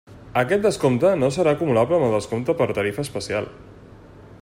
Aquest descompte no serà acumulable amb el descompte per tarifa especial.